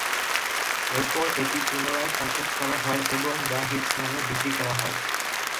এরপর এটি পুনরায় প্যাকেজ করা হয় এবং দ্য হিটস নামে বিক্রি করা হয়।